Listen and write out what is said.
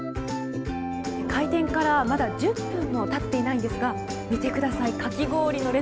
開店からまだ１０分も経っていないんですが見てください、かき氷の列